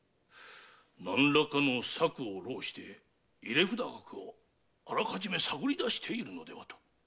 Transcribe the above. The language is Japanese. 何らかの策を弄して入札額をあらかじめ探り出しているのではと。